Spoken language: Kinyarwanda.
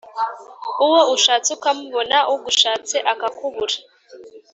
uwo ushatse ukamubona ugushatse akakubura